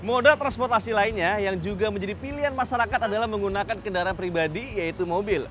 moda transportasi lainnya yang juga menjadi pilihan masyarakat adalah menggunakan kendaraan pribadi yaitu mobil